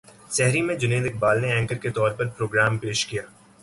سحری میں جنید اقبال نے اینکر کے طور پر پروگرام پیش کیا